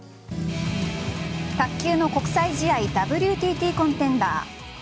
卓球の国際試合ＷＴＴコンテンダー。